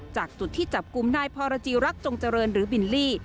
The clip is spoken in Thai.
จากจุดที่จับกลุ่มนายพรจีรักจงเจริญหรือบิลลี่